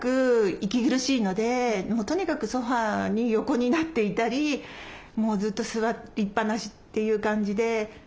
とにかくソファーに横になっていたりもうずっと座りっぱなしっていう感じで。